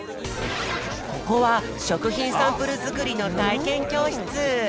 ここはしょくひんサンプルづくりのたいけんきょうしつ。